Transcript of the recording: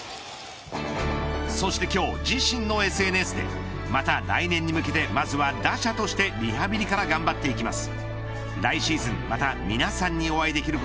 そして今日、自身のＳＮＳでまた来年に向けてまずは打者としてリハビリから頑張っていきます。